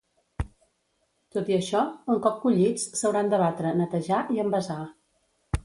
Tot i això, un cop collits, s’hauran de batre, netejar i envasar.